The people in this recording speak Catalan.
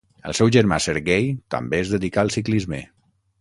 El seu germà Serguei també es dedicà al ciclisme.